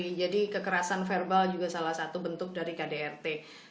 merasa terasa mental juga salah satu bentuk dari kdrt